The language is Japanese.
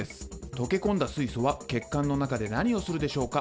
溶け込んだ水素は血管の中で何をするでしょうか？